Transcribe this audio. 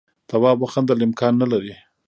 تواب وخندل امکان نه لري.